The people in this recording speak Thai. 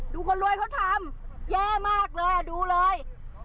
คนรวยเขาทำแย่มากเลยดูเลย